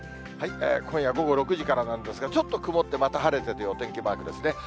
今夜午後６時からなんですが、ちょっと曇ってまた晴れてというお天気マークですね。